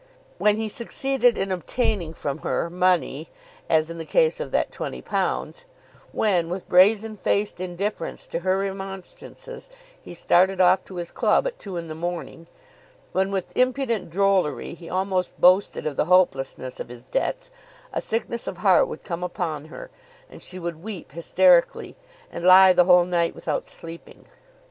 When he succeeded in obtaining from her money, as in the case of that £20, when, with brazen faced indifference to her remonstrances, he started off to his club at two in the morning, when with impudent drollery he almost boasted of the hopelessness of his debts, a sickness of heart would come upon her, and she would weep hysterically, and lie the whole night without sleeping.